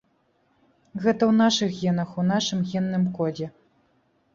Гэта ў нашых генах, у нашым генным кодзе!